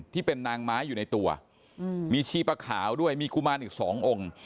ที่เป็นนางไม้อยู่ในตัวมีชีปะขาวด้วยมีกุมารอีกสององค์